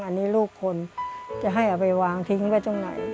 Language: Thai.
อันนี้ลูกคนจะให้เอาไปวางทิ้งไว้ตรงไหน